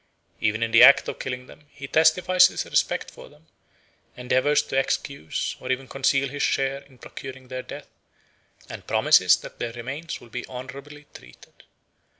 Even in the act of killing them he testifies his respect for them, endeavours to excuse or even conceal his share in procuring their death, and promises that their remains will be honourably treated.